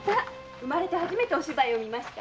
生まれて初めてお芝居を見ました。